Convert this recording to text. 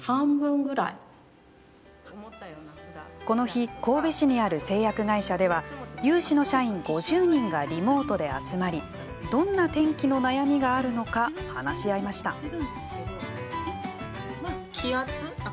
この日神戸市にある製薬会社では有志の社員５０人がリモートで集まりどんな天気の悩みがあるのか話し合いました。